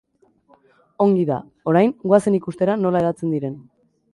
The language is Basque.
Ongi da, orain goazen ikustera nola hedatzen diren.